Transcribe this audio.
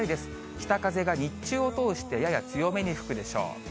北風が日中を通してやや強めに吹くでしょう。